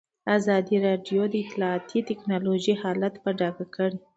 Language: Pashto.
ازادي راډیو د اطلاعاتی تکنالوژي حالت په ډاګه کړی.